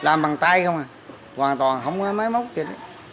làm bằng tay không à hoàn toàn không có máy móc gì đó